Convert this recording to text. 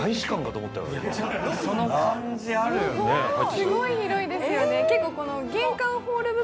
すごい広いですよね。